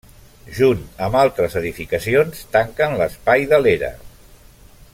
Junt amb altres edificacions tanquen l'espai de l'era.